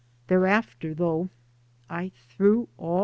Thereafter, though, I threw al!